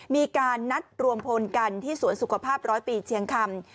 มีการนัดรวมพลกันที่สวนสุขภาพร้อยปีเชียงคำ